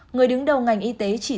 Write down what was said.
người đứng đầu ngành y tế chỉ